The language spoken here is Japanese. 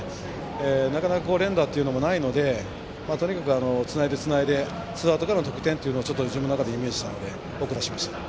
なかなか連打というのもないのでとにかくつないでツーアウトからの得点というのを自分の中でイメージしたので送り出しました。